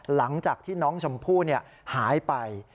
หลังจากที่น้องชมพู่หายไป